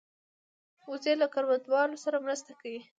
وزې له کروندهوالو سره مرسته کوي